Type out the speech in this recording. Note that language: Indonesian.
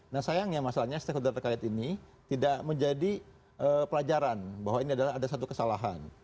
nah sayangnya masalahnya stakeholder terkait ini tidak menjadi pelajaran bahwa ini adalah ada satu kesalahan